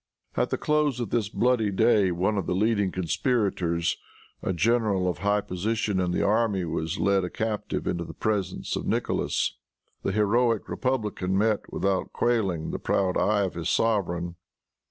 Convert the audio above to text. At the close of this bloody day, one of the leading conspirators, a general of high position in the army was led a captive into the presence of Nicholas. The heroic republican met, without quailing, the proud eye of his sovereign.